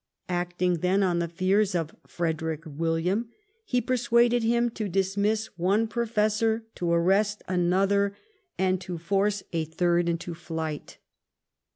Acting, then, on the fears of Frederick William, he persuaded him to dismiss one professor, to arrest another, and to force a third into flight.